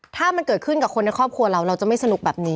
ถ้ามันเกิดขึ้นกับคนในครอบครัวเราเราจะไม่สนุกแบบนี้